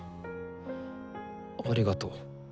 ありがとう。